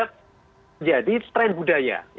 karena menjadi tren budaya